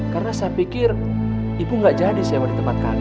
karena saya pikir ibu gak jadi sewa di tempat kami